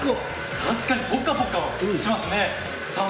確かにポカポカはしますね。